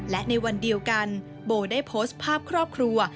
และในวันเดียวกันโบได้โพสต์ภาพครอบครัว